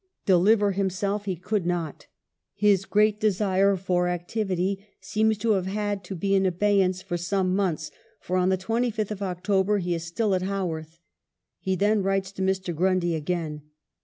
Deliver himself he could not. His "great desire for activity" seems to have had to be in abeyance for some months, for on the 25th of October he is still at Haworth. He then writes to Mr. Grundy again.